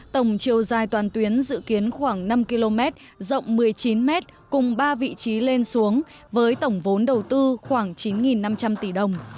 tổng chiều dài toàn tuyến dự kiến khoảng năm km rộng một mươi chín m cùng ba vị trí lên xuống với tổng vốn đầu tư khoảng chín năm trăm linh tỷ đồng